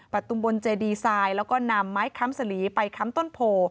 ตุมบนเจดีไซน์แล้วก็นำไม้ค้ำสลีไปค้ำต้นโพ